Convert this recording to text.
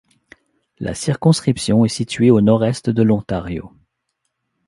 La circonscription est située au nord-est de l'Ontario.